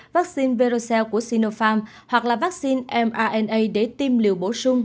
vaccine virocell của sinopharm hoặc là vaccine mrna để tiêm liều bổ sung